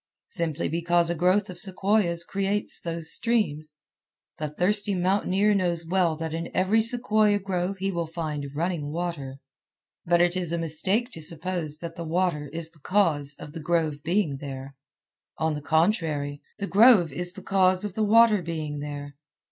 Simply because a growth of sequoias creates those streams. The thirsty mountaineer knows well that in every sequoia grove he will find running water, but it is a mistake to suppose that the water is the cause of the grove being there; on the contrary, the grove is the cause of the water being there.